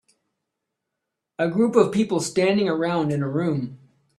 A group of people standing around in a room